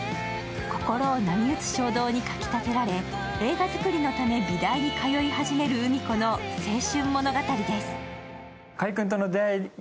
心を波う衝動にかきたてられ、映画作りのために美大に通い始めるうみ子の青春物語です。